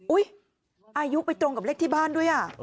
อุ๊ยอายุไปตรงกับเล็กที่บ้านด้วย